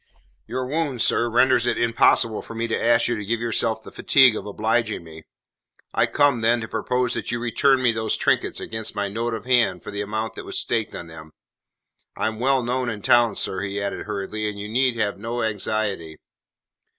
Your wound, sir, renders it impossible for me to ask you to give yourself the fatigue of obliging me. I come, then, to propose that you return me those trinkets against my note of hand for the amount that was staked on them. I am well known in town, sir," he added hurriedly, "and you need have no anxiety."